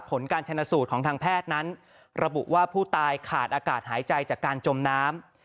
ผลการชนะสูตรของทางแพทย์นั้นระบุว่าผู้ตายขาดอากาศหายใจจากการจมน้ำ